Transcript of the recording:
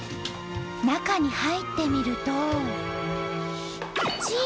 中に入ってみると。